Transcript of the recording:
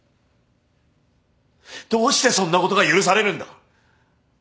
どうしてそんなことが許されるんだ。